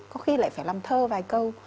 có khi lại phải làm thơ vài câu